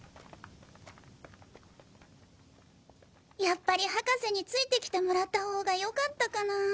やっぱり博士についてきてもらったほうがよかったかなぁ。